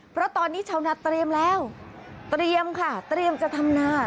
เพราะตอนนี้ชาวนาเตรียมแล้วเตรียมค่ะเตรียมจะทำนา